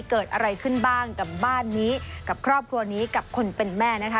เกิดอะไรขึ้นบ้างกับบ้านนี้กับครอบครัวนี้กับคนเป็นแม่นะคะ